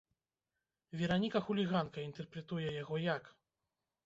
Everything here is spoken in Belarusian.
Вераніка-хуліганка інтэрпрэтуе яго як?